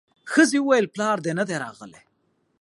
ښځې وويل پلار دې نه دی راغلی.